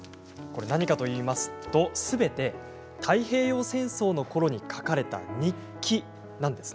何かといいますとすべて太平洋戦争のころに書かれた日記です。